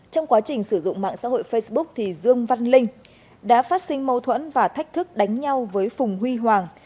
trong quá trình sử dụng mạng xã hội facebook dương văn linh đã phát sinh mâu thuẫn và thách thức đánh nhau với phùng huy hoàng